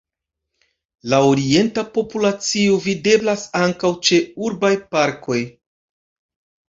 La orienta populacio videblas ankaŭ ĉe urbaj parkoj.